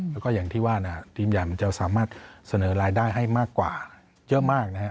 แล้วก็อย่างที่ว่านะฮะทีมใหญ่มันจะสามารถเสนอรายได้ให้มากกว่าเยอะมากนะฮะ